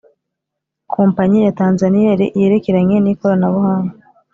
kompanyi ya Tanzaniya yerekeranye n’ikorabuhanga.